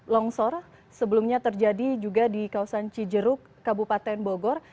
longsor sebelumnya terjadi juga di kawasan cijeruk kabupaten bogor